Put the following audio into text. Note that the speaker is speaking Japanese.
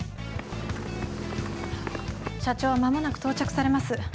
社長は間もなく到着されます。